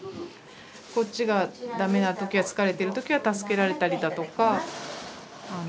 こっちがダメな時は疲れてる時は助けられたりだとか。